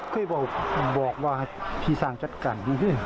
เคยบอกว่าพี่สร้างจัดการ